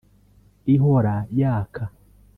ihora yaka